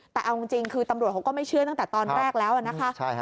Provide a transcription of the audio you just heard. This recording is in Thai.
แต่เอาจริงคือตำรวจเขาก็ไม่เชื่อตั้งแต่ตอนแรกแล้วนะคะ